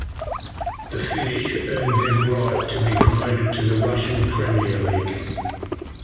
This finish earned them right to be promoted to the Russian Premier League.